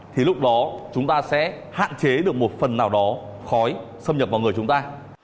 thì lúc đó chúng ta sẽ hạn chế được một phần nào đó khói xâm nhập vào người chúng ta